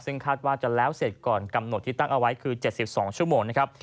ซึ่งคาดว่าจะแล้วเสร็จก่อนกำหนดที่ตั้งเอาไว้คือ๗๒ชั่วโมงนะครับ